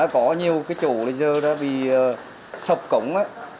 có nhiều cái chỗ là giờ đã bị sọc cổng ấy